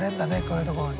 こういうところで。